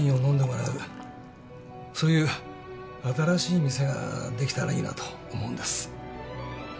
そういう新しい店ができたらいいなと思うんです。